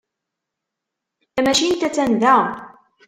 Tamacint attan da.